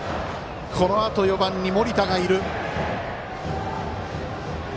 このあと４番に森田がいる。